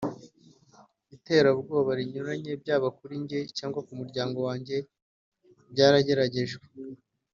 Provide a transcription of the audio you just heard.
iterabwoba rinyuranye byaba kuri njye cyangwa ku muryango wanjye ryarageragejwe